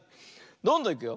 どんどんいくよ。